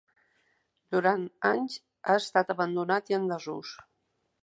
Durant anys ha estat abandonat i en desús.